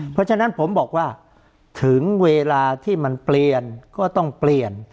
เพราะฉะนั้นผมบอกว่าถึงเวลาที่มันเปลี่ยนก็ต้องเปลี่ยน